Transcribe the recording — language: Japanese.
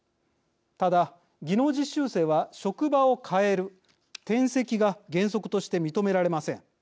ただ、技能実習生は職場を変える、転籍が原則として認められません。